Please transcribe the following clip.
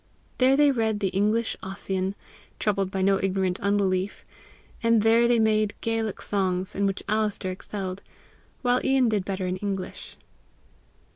There they read the English Ossian, troubled by no ignorant unbelief; and there they made Gaelic songs, in which Alister excelled, while Ian did better in English.